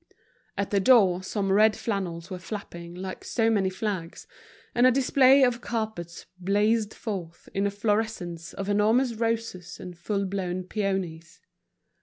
At the door some red flannels were flapping like so many flags, and a display of carpets blazed forth in a florescence of enormous roses and full blown peonies.